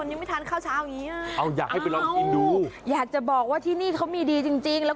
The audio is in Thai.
โอ้ยหนัว